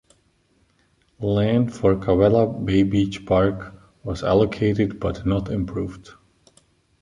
Land for a Kawela Bay Beach park was allocated, but not improved.